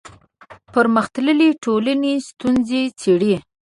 پرمختللې ټولنې ستونزې څېړي